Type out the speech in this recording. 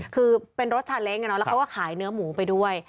คือเป็นรถชาเล้งแล้วเขาก็ขายเนื้อหมูไปด้วย